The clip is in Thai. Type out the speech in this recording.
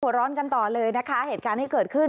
ร้อนกันต่อเลยนะคะเหตุการณ์ที่เกิดขึ้น